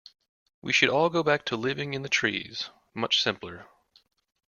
We should all go back to living in the trees, much simpler.